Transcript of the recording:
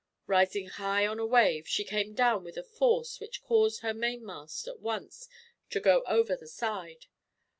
Rising high on a wave, she came down with a force which caused her mainmast at once to go over the side.